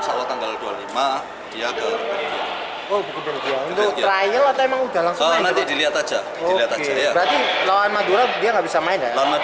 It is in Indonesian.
jadi tanggal dua puluh lima dia berangkat